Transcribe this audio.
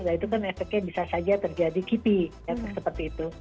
nah itu kan efeknya bisa saja terjadi kipi seperti itu